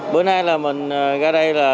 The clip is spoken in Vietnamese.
bữa nay là mình ra đây